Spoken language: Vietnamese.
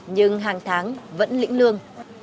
nhưng hàng tháng vẫn lĩnh lương